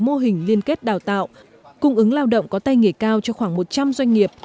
mô hình liên kết đào tạo cung ứng lao động có tay nghề cao cho khoảng một trăm linh doanh nghiệp